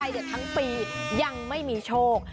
เด็ดทั้งปียังไม่มีโชค